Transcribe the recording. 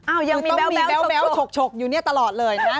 อ้าวยังมีแบ๊วฉกอยู่นี่ตลอดเลยนะ